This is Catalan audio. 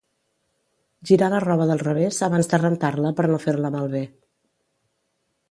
Girar la roba del revés abans de rentar-la per no fer-la malbé